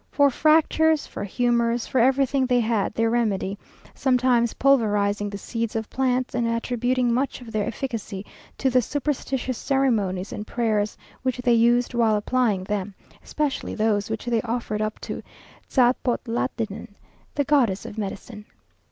For fractures, for humours, for everything they had their remedy; sometimes pulverizing the seeds of plants, and attributing much of their efficacy to the superstitious ceremonies and prayers which they used while applying them, especially those which they offered up to Tzapotlatenan, the goddess of medicine.